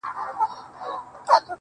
o د زړه له درده دا نارۍ نه وهم.